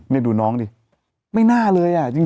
นี่ดูน้องดิไม่น่าเลยอ่ะจริง